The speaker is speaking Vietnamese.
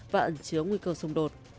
và ẩn chứa nguy cơ xung đột